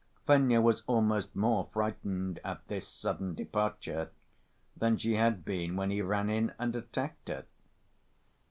Fenya was almost more frightened at this sudden departure than she had been when he ran in and attacked her.